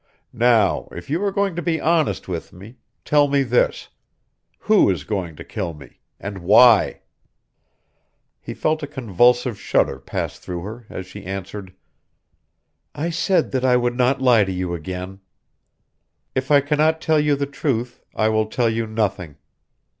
"Now, if you are going to be honest with me, tell me this who is going to kill me, and why?" He felt a convulsive shudder pass through her as she answered, "I said that I would not lie to you again. If I can not tell you the truth I will tell you nothing.